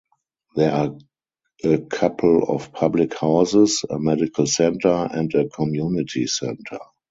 There are a couple of public houses, a medical centre and a community centre.